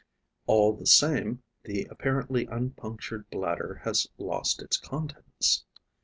All the same, the apparently unpunctured bladder has lost its contents.